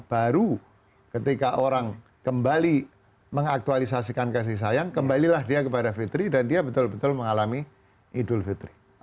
baru ketika orang kembali mengaktualisasikan kasih sayang kembalilah dia kepada fitri dan dia betul betul mengalami idul fitri